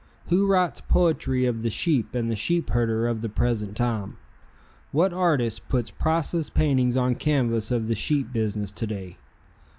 Who writes poetry of the sheep and sheepherder of the present time? What artist puts priceless paintings on canvass of the sheep business to day?